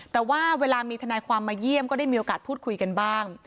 แต่ว่าเวลามีทนายความมาเยี่ยมก็ได้มีโอกาสพูดคุยกันบ้าง